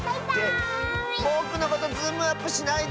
ぼくのことズームアップしないで！